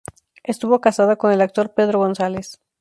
Estuvo casada con el actor Pedro González.